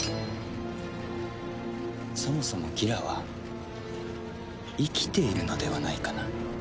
そもそもギラは生きているのではないかな？